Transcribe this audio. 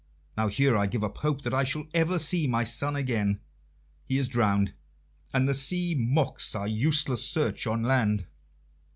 Now here I give up hope that I shall ever see my son again. He is drowned, and the sea mocks our useless search on land."